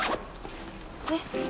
えっ？